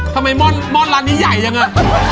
ทำไมม่อนร้านนี้ใหญ่จังอ่ะ